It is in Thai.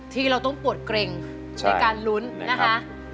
ที่เราต้องปวดเกร็งในการลุ้นนะคะ